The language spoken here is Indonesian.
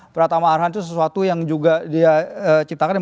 pratama arhan itu sesuatu yang juga dia ciptakan